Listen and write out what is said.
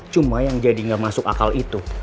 cuma yang jadi nggak masuk akal itu